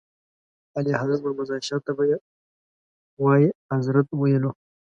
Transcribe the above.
اعلیحضرت محمد ظاهر شاه ته به یې وایي اذرت ویلو.